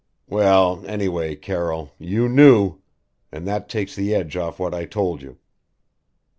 "Well, anyway Carroll: you knew! And that takes the edge off what I told you."